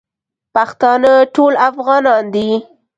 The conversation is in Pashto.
پښتانه ټول افغانان دی.